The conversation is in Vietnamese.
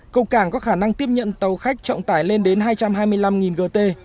cầu cảng có khả năng tiếp nhận tàu khách trọng tải lên đến hai trăm hai mươi năm gt